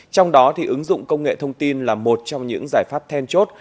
trong đó ứng dụng công nghệ thông tin là một trong những giải pháp then chốt